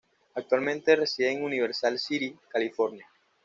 Actualmente reside en Universal City, California.